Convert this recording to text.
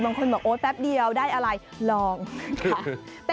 บางคนบอกโอ๊ยแป๊บเดียวได้อะไรลองค่ะ